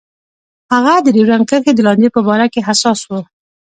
هغه د ډیورنډ کرښې د لانجې په باره کې حساس و.